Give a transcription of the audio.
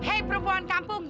hei perempuan kampung